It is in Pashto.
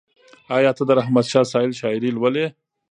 ایا ته د رحمت شاه سایل شاعري لولې؟